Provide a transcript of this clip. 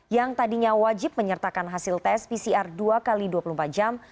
yang tadinya wajib menyertakan hasil tes pcr dua x dua puluh empat jam